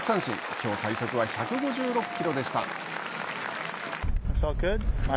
きょう最速は１５６キロでした。